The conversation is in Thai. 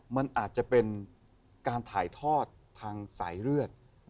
มันอาจจะเป็นการถ่ายทอดทางสายเลือด